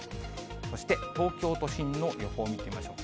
そして東京都心の予報を見てみましょう。